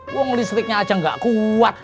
uang listriknya aja gak kuat